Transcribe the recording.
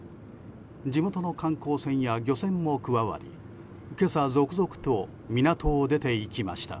地元の観光船や漁船も加わり今朝、続々と港を出て行きました。